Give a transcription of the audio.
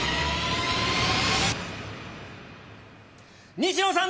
西野さん